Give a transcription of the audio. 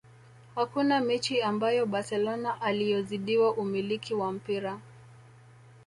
hakuna mechi ambayo barcelona aliyozidiwa umiliki wa mpira